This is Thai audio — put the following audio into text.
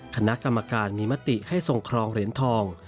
คณะกรรมการมีมติให้ทรงครองเหรียญทอง